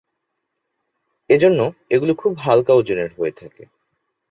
এজন্য এগুলো খুব হালকা ওজনের হয়ে থাকে।